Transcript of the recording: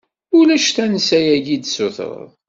Ulac tansa-agi i d-tessutred.